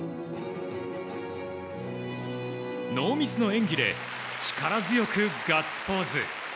ノーミスの演技で力強くガッツポーズ。